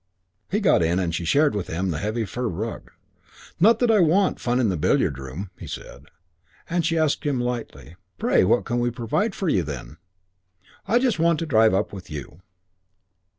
He got in and she shared with him the heavy fur rug. "Not that I want fun in the billiard room," he said. She asked him lightly, "Pray what can we provide for you, then?" "I just want to drive up with you."